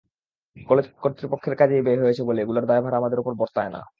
College কর্তৃপক্ষের কাজেই ব্যয় হয়েছে বলে এগুলোর দায়ভার আমাদের ওপর বর্তায় না।